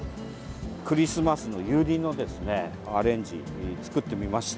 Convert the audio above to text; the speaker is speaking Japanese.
クリスマスのユリのアレンジ、作ってみました。